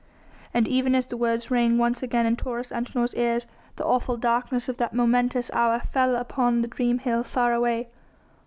And even as the words rang once again in Taurus Antinor's ears, the awful darkness of that momentous hour fell upon the dream hill far away.